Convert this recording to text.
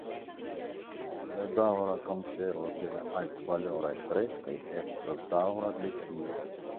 La daŭra konservo de la altvaloraj freskoj estas daŭra defio.